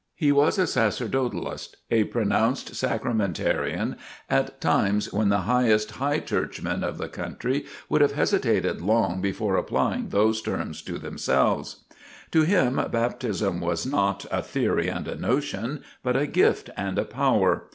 He was a "sacerdotalist," a pronounced "sacramentarian" at times when the highest "High" Churchmen of the country would have hesitated long before applying those terms to themselves. To him baptism was, not "a theory and a notion," but "a gift and a power."